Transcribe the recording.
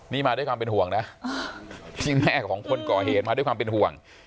นี่มาด้วยความเป็นห่วงนะที่แม่ของคนก่อเหตุมาด้วยความเป็นห่วง